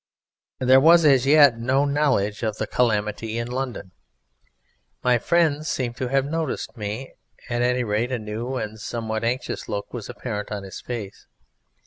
There was as yet no knowledge of the calamity in London. My friend seemed to have noticed me; at any rate a new and somewhat anxious look was apparent on his face.